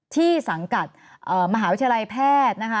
ที่สังกัดมหาวิทยาลัยแพทย์